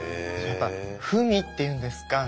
やっぱり文っていうんですか